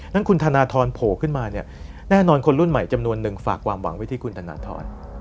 นั้นคุณธนทรโผล่ขึ้นมาเนี่ยแน่นอนคนรุ่นใหม่จำนวนหนึ่งฝากความหวังไว้ที่คุณธนทร